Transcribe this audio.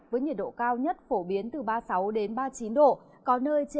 với nhiệt độ cao nhất phổ biến từ ba mươi sáu ba mươi chín độ